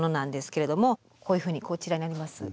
こういうふうにこちらにあります